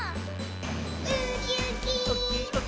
「ウキウキ」ウキウキ。